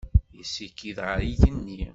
Yessikid ɣer yigenni.